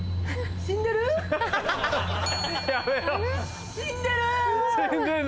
死んでるの？